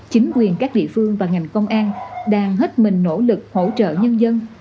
chính quyền các địa phương và ngành công an đang hết mình nỗ lực hỗ trợ nhân dân